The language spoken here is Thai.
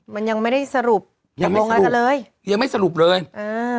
มันยังไม่ได้สรุปยังไม่สรุปยังไม่สรุปเลยอืม